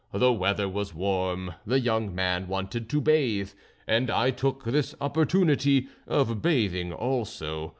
The weather was warm. The young man wanted to bathe, and I took this opportunity of bathing also.